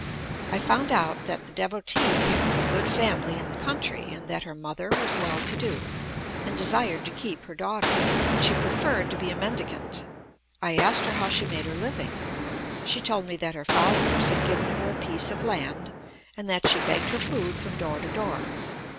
I found out that the Devotee came from a good family in the country, and that her mother was well to do, and desired to keep her daughter. But she preferred to be a mendicant. I asked her how she made her living. She told me that her followers had given her a piece of land, and that she begged her food from door to door.